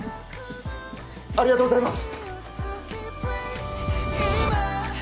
ありがとうございます！